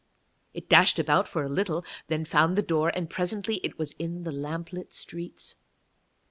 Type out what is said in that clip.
It dashed about for a little, then found the door, and presently was in the lamplit streets.